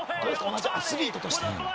同じアスリートとして。